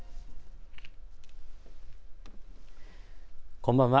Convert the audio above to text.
こんばんは。